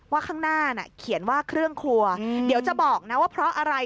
ข้างหน้าน่ะเขียนว่าเครื่องครัวเดี๋ยวจะบอกนะว่าเพราะอะไร